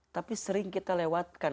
tapi sering kita lewatkan